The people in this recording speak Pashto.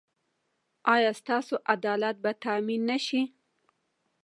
ایا ستاسو عدالت به تامین نه شي؟